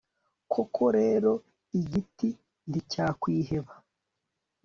koko rero, igiti nticyakwiheba